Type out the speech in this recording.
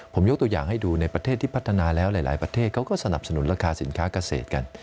ผมยกตัวอย่างให้ดูในประเทศที่พัฒนาแล้วหลายประเทศเขาก็สนับสนุนราคาสินค้าเกษตรกัน